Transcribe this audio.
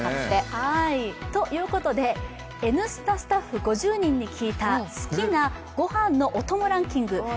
ということで、「Ｎスタ」スタッフ５０人に聞いた好きなごはんのお供ランキング。